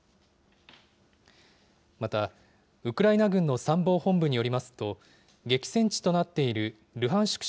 また、ウクライナ軍の参謀本部によりますと、激戦地となっているルハンシク